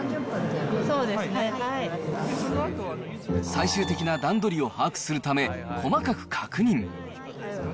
最終的な段取りを把握するため、細かく確認。